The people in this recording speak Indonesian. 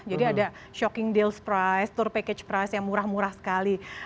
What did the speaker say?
jadi ada shocking deals price tour package price yang murah murah sekali